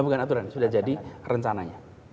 bukan aturan sudah jadi rencananya